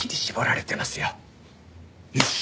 よし！